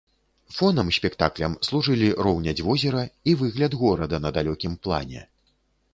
Фонам спектаклям служылі роўнядзь возера і выгляд горада на далёкім плане.